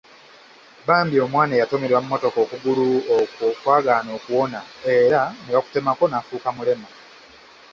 Bambi omwana eyatomerwa mmotoka okugulu okwo kwagaana okuwona era ne bakutemako nafuuka mulema.